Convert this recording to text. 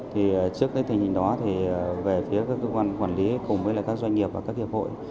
thì trước cái tình hình đó thì về phía các cơ quan quản lý cùng với các doanh nghiệp và các hiệp hội